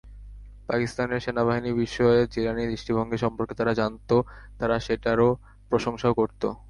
পাকিস্তান সেনাবাহিনী বিষয়ে জিলানির দৃষ্টিভঙ্গি সম্পর্কে তারা জানত, তারা সেটার প্রশংসাও করত।